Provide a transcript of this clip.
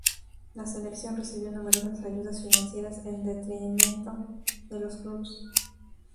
La selección recibió numerosas ayudas financieras en detrimento de los clubs.